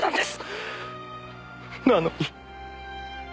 なのに。